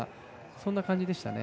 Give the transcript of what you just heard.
そんな感じでしたね。